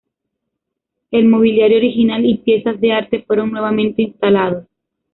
El mobiliario original y piezas de arte fueron nuevamente instalados.